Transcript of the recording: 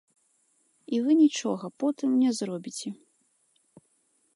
І вы нічога потым не зробіце.